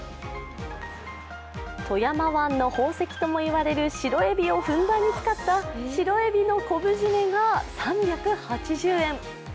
富山湾の宝石ともいわえる白えびをふんだんに使った白エビの昆布〆が３８０円。